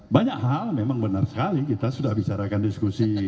banyak hal memang benar sekali kita sudah bicarakan diskusi